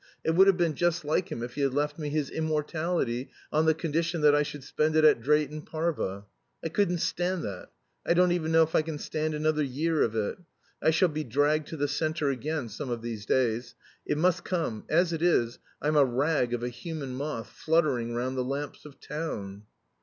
It would have been just like him if he had left me his immortality, on the condition that I should spend it at Drayton Parva. I couldn't stand that. I don't even know if I can stand another year of it. I shall be dragged to the center again some of these days. It must come. As it is, I'm a rag of a human moth fluttering round the lamps of town."